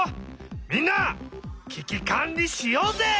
みんなききかんりしようぜ！